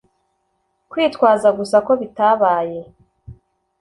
kwitwaza gusa ko bitabaye